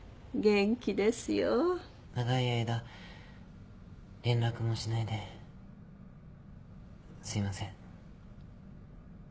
長い間連絡もしないですいません。